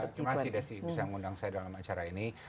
terima kasih desi bisa mengundang saya dalam acara ini